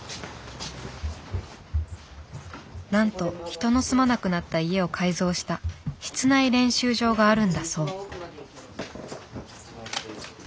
なんと人の住まなくなった家を改造した室内練習場があるんだそう。